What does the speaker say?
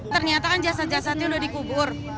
ternyata kan jasad jasadnya sudah dikubur